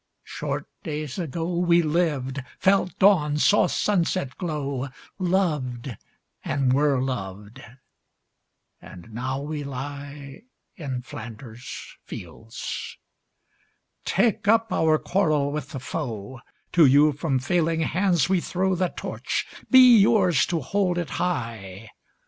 Short days ago We lived, felt dawn, saw sunset glow, Loved, and were loved, and now we lie In Flanders fields. Take up our quarrel with the foe: To you from failing hands we throw The Torch: be yours to hold it high!